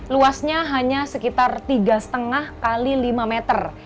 luasnya hanya sekitar tiga lima x lima meter